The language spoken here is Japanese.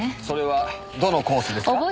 それはどのコースですか？